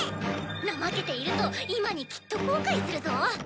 怠けていると今にきっと後悔するぞ！